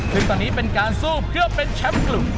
ซึ่งตอนนี้เป็นการสู้เพื่อเป็นแชมป์กลุ่ม